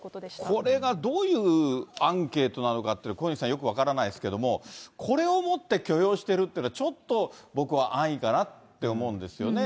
これがどういうアンケートなのかっていうの、小西さん、よく分からないですけども、これをもって許容してるっていうのは、ちょっと僕は安易かなって思うんですよね。